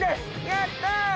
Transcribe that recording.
やった！